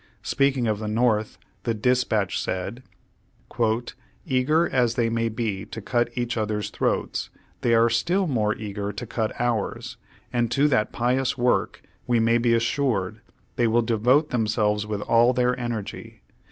Speaking of the North, the Dispatch said : "Eager as they may be to cut each others' throats, they are still more eager to cut ours, and to that pious work, we may be assured, they will devote themselves with all their energy.